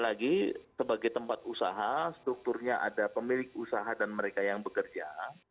sekali lagi sebagai tempat usaha strukturnya ada pemilik usaha dan mereka yang bekerja